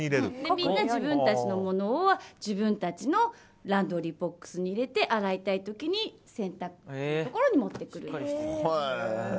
みんな自分たちのものは自分たちのランドリーボックスに入れて洗いたい時に洗濯機のところに持ってくるんです。